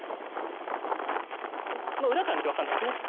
裏から見て分かんないですね